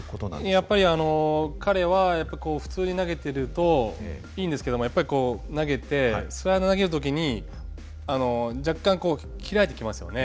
やっぱり彼は普通に投げてるといいんですけれどもやっぱりこう投げてスライダーを投げる時に若干開いてきますよね。